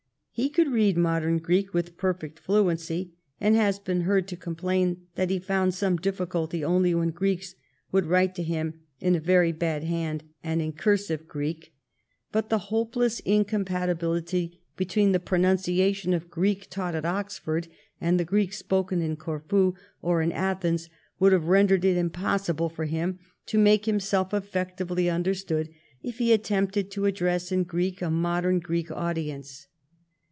He could read modern Greek with perfect fluency, and has been heard to complain that he found some difficulty only when Greeks would write to him in a very bad hand and in "cursive Greek." But the hopeless incompatibil 206 THE STORY OF GLADSTONE'S LIFE ity between the pronunciation of Greek taught at Oxford and the Greek spoken in Corfu or in Athens would have rendered it impossible for him to make himself effectively understood if he attempted to address in Greek a modern Greek audience.